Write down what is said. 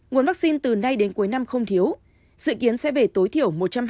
nguồn vaccine từ nay đến cuối năm không thiếu dự kiến sẽ về tối thiểu